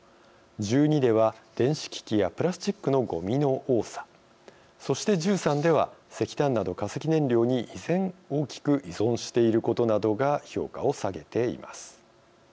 １２では電子機器やプラスチックのごみの多さそして、１３では石炭など化石燃料に依然、大きく依存していることなどが評価を下げています。